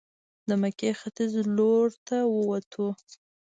د مکې ختیځ لورته ووتو.